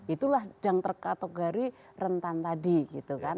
itulah yang terkategori rentan tadi gitu kan